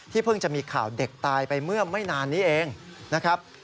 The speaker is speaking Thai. เพิ่งจะมีข่าวเด็กตายไปเมื่อไม่นานนี้เองนะครับ